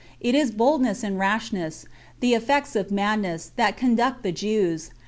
It is boldness and rashness, the effects of madness, that conduct the Jews.